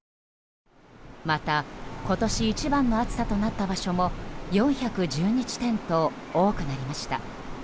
また、今年一番の暑さとなった場所も４１２地点と多くなりました。